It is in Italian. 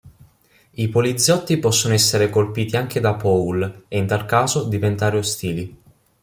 I poliziotti possono essere colpiti anche da Paul, e in tal caso diventare ostili.